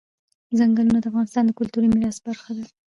ځنګلونه د افغانستان د کلتوري میراث برخه ده.